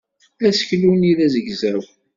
Aseklu-nni d azegzaw.